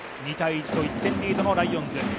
２−１と１点リードのライオンズ。